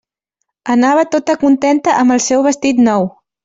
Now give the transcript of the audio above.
Anava tota contenta amb el seu vestit nou.